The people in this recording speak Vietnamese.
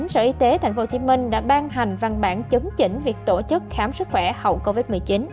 sở y tế tp hcm đã ban hành văn bản chấn chỉnh việc tổ chức khám sức khỏe hậu covid một mươi chín